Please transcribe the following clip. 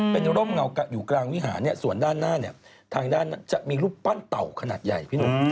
เป็นร่มเงาอยู่กลางวิหารส่วนด้านหน้าเนี่ยทางด้านนั้นจะมีรูปปั้นเต่าขนาดใหญ่พี่หนุ่ม